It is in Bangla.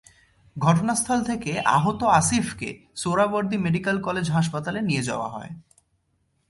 ঘটনাস্থল থেকে আহত আসিফকে সোহরাওয়ার্দী মেডিকেল কলেজ হাসপাতালে নিয়ে যাওয়া হয়।